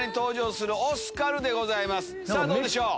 さぁどうでしょう？